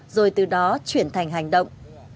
rồi từ đó chuyển thành hành động